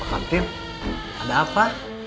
pak tim ada apa